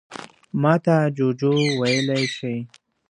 _ماته جُوجُو ويلی شې.